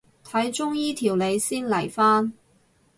睇中醫調理先嚟返